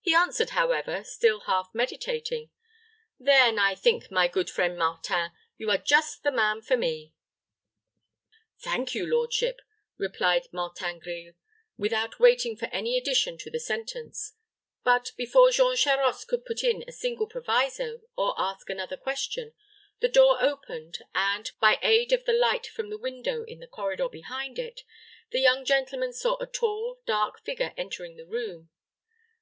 He answered, however, still half meditating, "Then I think, my good friend Martin, you are just the man for me." "Thank your lordship," replied Martin Grille, without waiting for any addition to the sentence; but, before Jean Charost could put in a single proviso, or ask another question, the door opened, and, by aid of the light from the window in the corridor behind it, the young gentleman saw a tall, dark figure entering the room.